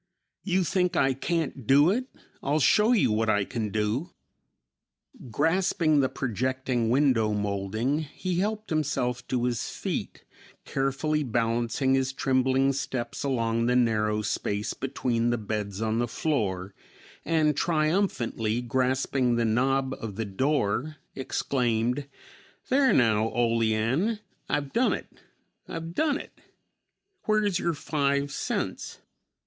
"You think I can't do it; I'll show you what I can do." Grasping the projecting window moulding he helped himself to his feet, carefully balancing his trembling steps along the narrow space between the beds on the floor, and triumphantly grasping the knob of the door exclaimed, "There now, Olean; I've done it; I've done it. Where is your five cents?"